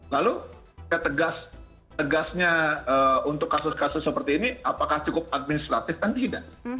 lalu ketegasnya untuk kasus kasus seperti ini apakah cukup administratif kan tidak